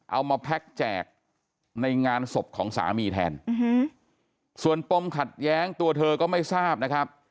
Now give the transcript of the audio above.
มาแพ็คแจกในงานศพของสามีแทนส่วนปมขัดแย้งตัวเธอก็ไม่ทราบนะครับ